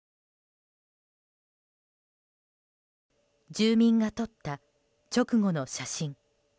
住民が撮った直後の写真。